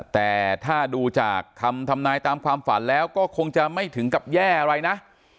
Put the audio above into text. แต่ถ้าดูจากคำทำนายตามความฝันแล้วก็คงจะไม่ถึงกับแย่อะไรนะ